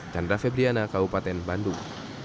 dan raffi briana kabupaten bandung